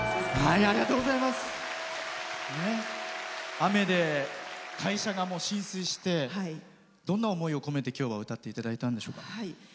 雨で会社が浸水してどんな思いを込めて今日は歌っていただいたんでしょうか？